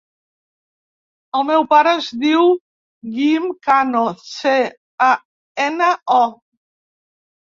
El meu pare es diu Guim Cano: ce, a, ena, o.